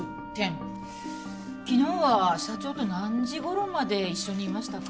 昨日は社長と何時頃まで一緒にいましたか？